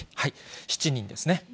７人ですね。